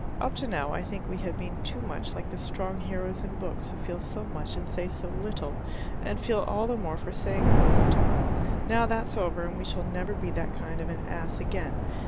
Up to now I think we have been too much like the strong heroes in books who feel so much and say so little, and feel all the more for saying so little. Now that's over and we shall never be that kind of an ass again.